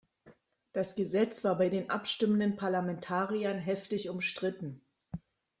Das Gesetz war bei den abstimmenden Parlamentariern heftig umstritten.